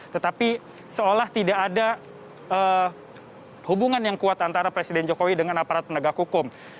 tetapi seolah tidak ada hubungan yang kuat antara presiden jokowi dengan aparat penegak hukum